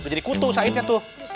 udah jadi kutu saidnya tuh